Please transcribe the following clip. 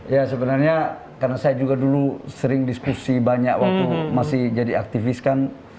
ya sebenarnya karena saya juga dulu sering diskusi banyak waktu masih jadi aktivis kan